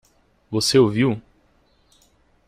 Você o viu?